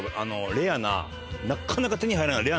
レアななかなか手に入らない。